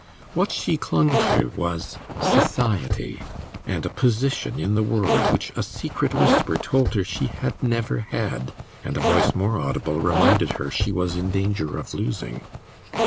What she clung to was "society," and a position in the world which a secret whisper told her she had never had and a voice more audible reminded her she was in danger of losing.